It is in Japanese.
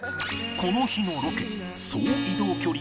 この日のロケ総移動距離